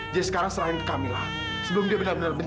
kenapa yang lain tidak boleh dengar